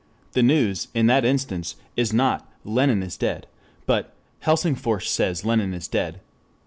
The news, in that instance, is not "Lenin Dead" but "Helsingfors Says Lenin is Dead."